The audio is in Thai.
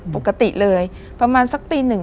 ปกติเลยประมาณสักตีหนึ่ง